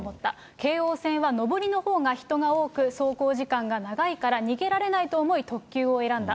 京王線は上りのほうが人が多く、走行時間が長いから、逃げられないと思い、特急を選んだ。